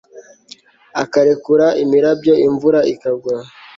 akarekura imirabyo imvura ikagwa